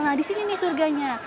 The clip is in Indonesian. nah di sini nih surganya